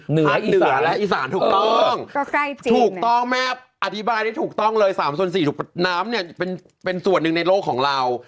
เหนือและอีสานถูกต้องถูกต้องแม่อธิบายได้ถูกต้องเลย๓ส่วน๔น้ำเนี่ยเป็นส่วนหนึ่งในโลกของเรา